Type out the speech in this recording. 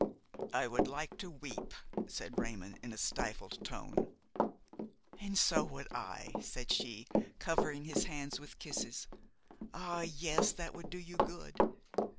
"I would like to weep," said Raymon in a stifled tone. "And so would I," said she, covering his hands with kisses. "Ah! yes, that would do you good.